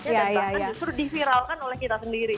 dan sebabnya justru diviralkan oleh kita sendiri